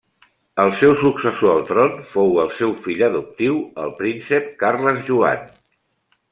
El seu successor al tron fou el seu fill adoptiu, el príncep Carles Joan.